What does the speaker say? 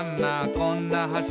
こんな橋」